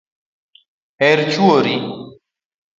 Her chuori